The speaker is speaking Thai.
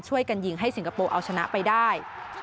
ช่วยกันยิงให้สิงคโปร์เอาชนะไปได้